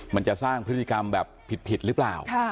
มันจะสร้างพฤติกรรมแบบผิดหรือเปล่า